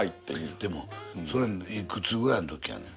でもそれいくつくらいのときやねん？